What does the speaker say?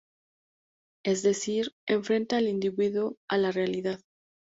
Es decir, enfrenta al individuo a la realidad.